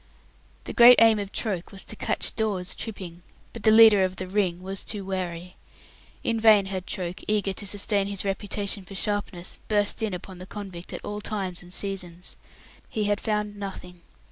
The great aim of Troke was to catch Dawes tripping, but the leader of the "Ring" was far too wary. In vain had Troke, eager to sustain his reputation for sharpness, burst in upon the convict at all times and seasons. He had found nothing.